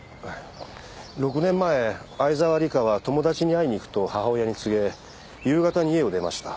６年前相沢里香は友達に会いに行くと母親に告げ夕方に家を出ました。